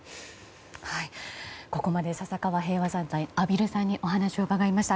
ここまで笹川平和財団の畔蒜さんにお話を伺いました。